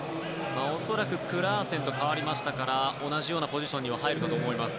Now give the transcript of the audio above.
恐らくクラーセンと代わりましたから同じようなポジションに入るかと思います。